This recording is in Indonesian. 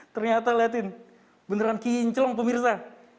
ternyata lihatin beneran kinclong pemirsa